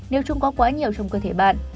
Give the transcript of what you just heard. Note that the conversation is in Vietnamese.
nếu chung có quá nhiều trong cơ thể bạn